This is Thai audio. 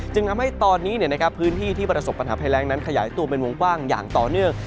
ทำให้ตอนนี้พื้นที่ที่ประสบปัญหาภัยแรงนั้นขยายตัวเป็นวงกว้างอย่างต่อเนื่อง